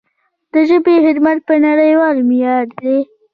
د ژبې خدمت په نړیوال معیار دی.